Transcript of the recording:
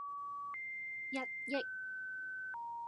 一億